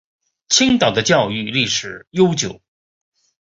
青岛的教育历史悠久。